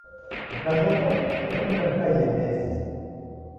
Nikazoghua nekunda nikaie nesi.